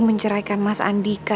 menceraikan mas andika